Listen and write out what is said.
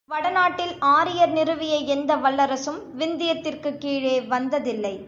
இங்ஙனம் வடநாட்டில் ஆரியர் நிறுவிய எந்த வல்லரசும் விந்தியத்திற்குக் கீழே வந்ததில்லை.